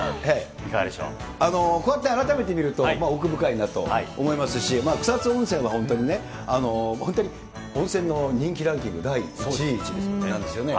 こうやって改めて見ると、奥深いなと思いますし、草津温泉は本当にね、温泉の人気ランキング第１位なんですよね。